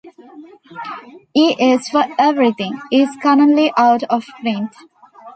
"E is for Everything" is currently out of print.